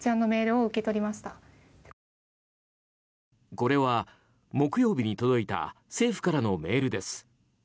これは、木曜日に届いた政府からのメールです。